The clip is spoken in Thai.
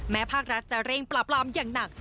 ภาครัฐจะเร่งปราบรามอย่างหนัก